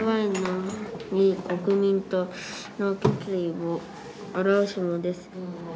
「国民との決意を表すのです」。